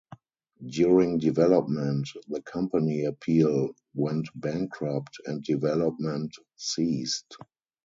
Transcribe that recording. During development, the company Appeal went bankrupt and development ceased.